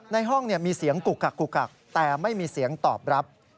ในห้องมีเสียงกุกกักกุกกักแต่ไม่มีเสียงตอบรับ